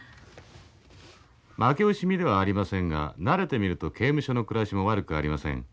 「負け惜しみではありませんが慣れてみると刑務所の暮らしも悪くありません。